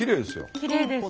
きれいです。